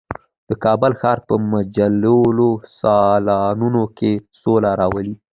د کابل ښار په مجللو سالونونو کې سوله راولي.